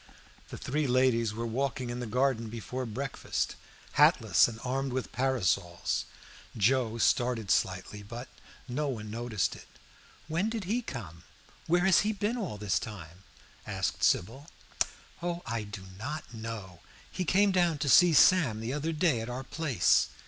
The three ladies were walking in the garden after breakfast, hatless and armed with parasols. Joe started slightly, but no one noticed it. "When did he come where has he been all this time?" asked Sybil. "Oh, I do not know. He came down to see Sam the other day at our place.